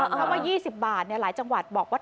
เพราะว่า๒๐บาทหลายจังหวัดบอกว่า